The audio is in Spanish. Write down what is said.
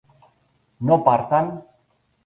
¿no partan?